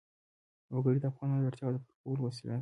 وګړي د افغانانو د اړتیاوو د پوره کولو وسیله ده.